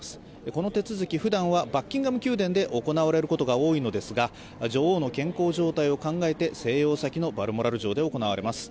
この手続き、ふだんはバッキンガム宮殿で行われることが多いのですが女王の健康状態を考えて静養先のバルモラル城で行われます。